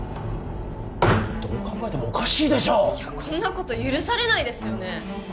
どう考えてもおかしいでしょこんなこと許されないですよね？